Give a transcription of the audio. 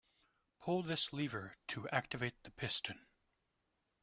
Pull this lever to activate the piston.